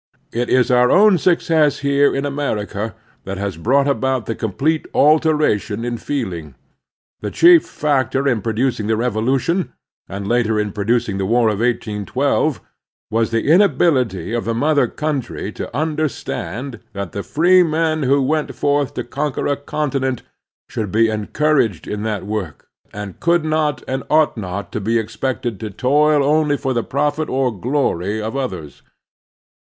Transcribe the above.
It is our own suc cess here in America that has brought about the complete alteration in feeling. The chief factor in producing the Revolution, and later in producing the War of 1812, was the inability of the mother country to tmderstand that the freemen who went forth to conquer a continent should be encouraged in that work, and could not and ought not to be expected to toil only for the profit or glory of others.